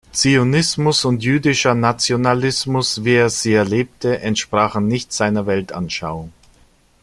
Zionismus und jüdischer Nationalismus, wie er sie erlebte, entsprachen nicht seiner Weltanschauung.